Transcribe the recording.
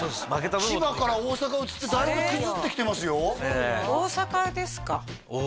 千葉から大阪移ってだいぶクズってきてますよ大阪ですか？